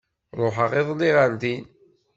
Ruḥeɣ iḍelli ɣer din.